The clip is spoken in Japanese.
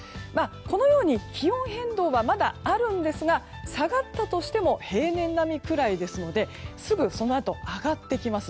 このように気温変動がまだあるんですが下がったとしても平年並みくらいですのですぐそのあと上がってきます。